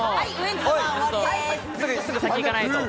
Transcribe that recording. すぐ先行かないと。